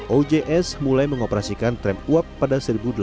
ojs mulai mengoperasikan tram uap pada seribu delapan ratus delapan puluh sembilan